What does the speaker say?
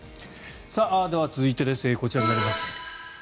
では続いて、こちらになります。